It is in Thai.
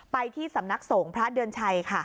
ไปที่สำนักสงฆ์พระเดือนชัยค่ะ